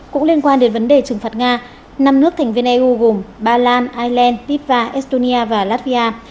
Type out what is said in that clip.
cũng liên quan đến vấn đề trừng phạt nga năm nước thành viên eu gồm ba lan ireland litva estonia và latvia